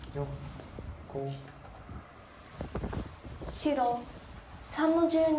白３の十二。